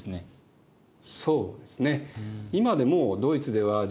そうですね。